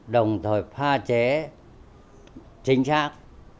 đồng thời pha chế chính xác